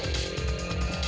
diri lu nur